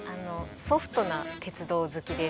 ソフトな鉄道好きで。